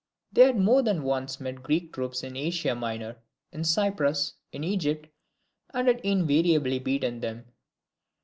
They had more than once met Greek troops in Asia Minor, in Cyprus, in Egypt, and had invariably beaten them.